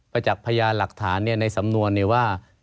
ไปจากพญาหลักฐานในสำนวนนี้ว่า